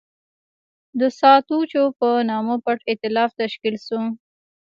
د ساتچو په نامه پټ اېتلاف تشکیل شو.